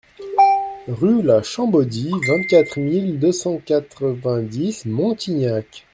Rue Lachambeaudie, vingt-quatre mille deux cent quatre-vingt-dix Montignac